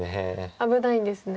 危ないんですね。